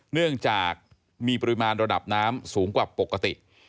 เนื่องจากมีปริมาณระดับน้ำสูงกว่าปกติ